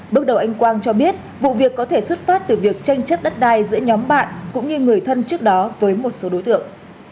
bước đầu anh quang cho biết vụ việc có thể xuất phát từ việc tranh chấp đất đai giữa nhóm bạn cũng như người thân trước đó với một số đối tượng